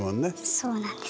そうなんです。